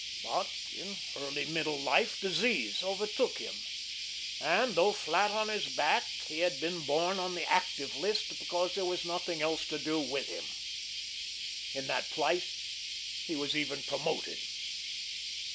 But in early middle life disease overtook him, and, though flat on his back, he had been borne on the active list because there was nothing else to do with him. In that plight he was even promoted.